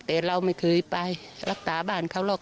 แต่เราไม่เคยไปรักษาบ้านเขาหรอก